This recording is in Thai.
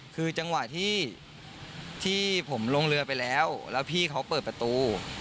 คือจังหวะที่ผมลงเรือไปแล้วแล้วพี่เขาเปิดประตู